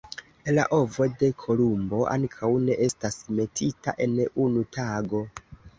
La ovo de Kolumbo ankaŭ ne estas metita en unu tago!